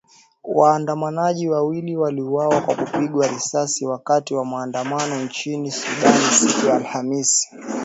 Waandamanaji wawili waliuawa kwa kupigwa risasi wakati wa maandamano nchini Sudan siku ya Alhamis!!